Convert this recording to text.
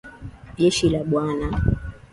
Jeshi la bwana